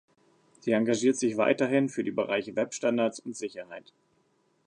Sie engagiert sich weiterhin für die Bereiche Web-Standards und Sicherheit.